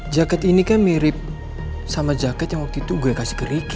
jaket ini kan mirip sama jaket yang waktu itu gue kasih ke ricky